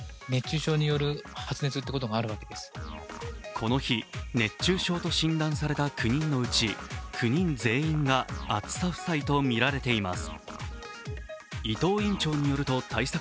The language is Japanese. この日、熱中症と診断された９人のうち９人全員が暑さ負債とみられています。